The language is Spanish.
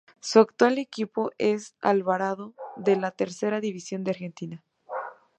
Su actual equipo es Alvarado de la tercera división de Argentina.